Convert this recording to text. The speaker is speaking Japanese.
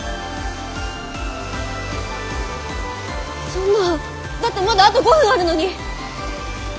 そんなだってまだあと５分あるのに！